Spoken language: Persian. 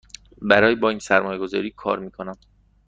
برای بانک سرمایه گذاری کار می کنم.